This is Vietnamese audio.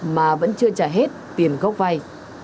mà vẫn chưa trả hết tiền gốc vay